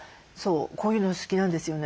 「こういうのお好きなんですよね？